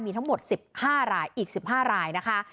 มีทั้งหมด๑๕รายอีก๑๕รายนะคะ